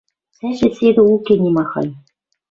Цӓшет седӹ уке нимахань...